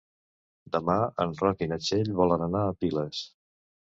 Demà en Roc i na Txell volen anar a Piles.